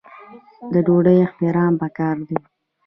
د ډوډۍ احترام پکار دی.